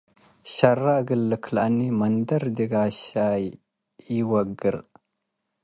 ሸረ እግል ልክለአኒ - መንደርዲ ጋሻይ ኢወግር